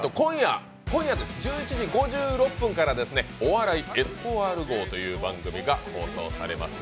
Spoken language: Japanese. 今夜、１１時５６分から「お笑いエスポワール号」という番組が放送されます。